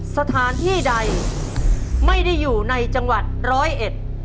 สถานที่ใดไม่ได้อยู่ในจังหวัดร้อยเอ็ด